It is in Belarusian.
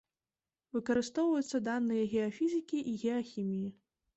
Выкарыстоўваюцца даныя геафізікі і геахіміі.